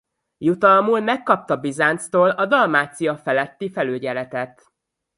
Jutalmul megkapta Bizánctól a Dalmácia feletti felügyeletet.